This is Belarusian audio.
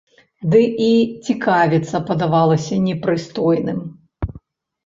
Ды і цікавіцца падавалася непрыстойным.